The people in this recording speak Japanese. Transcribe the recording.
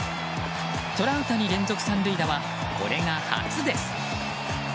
トラウタニ連続３塁打はこれが初です。